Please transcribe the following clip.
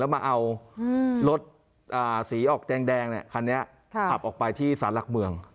มาเอารถสีออกแดงคันนี้ขับออกไปที่สารหลักเมือง